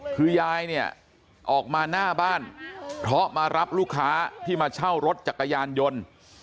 คือยายเนี่ยออกมาหน้าบ้านเพราะมารับลูกค้าที่มาเช่ารถจักรยานยนต์